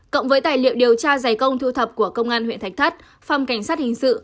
cộng với tài liệu điều tra giải công thu thập của công an huyện thạch thất phòng cảnh sát hình sự